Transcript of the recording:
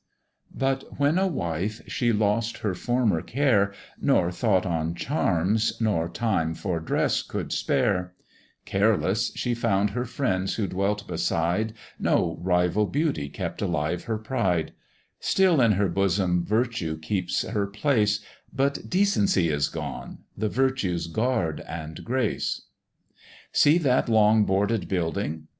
But when a wife, she lost her former care, Nor thought on charms, nor time for dress could spare; Careless she found her friends who dwelt beside, No rival beauty kept alive her pride: Still in her bosom virtue keeps her place, But decency is gone, the virtues' guard and grace. See that long boarded Building!